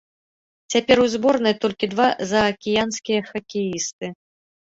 Цяпер у зборнай толькі два заакіянскія хакеісты.